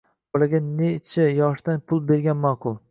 Bolaga nechi yoshdan pul bergan ma'qul?